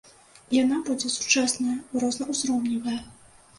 Яна будзе сучасная, рознаўзроўневая.